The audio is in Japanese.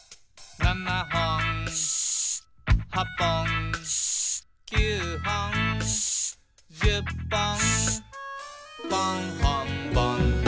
「７ほん８ぽん９ほん」「１０ぽん」